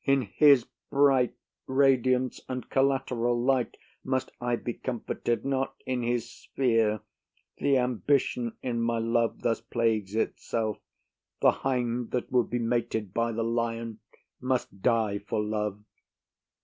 In his bright radiance and collateral light Must I be comforted, not in his sphere. Th'ambition in my love thus plagues itself: The hind that would be mated by the lion Must die for love.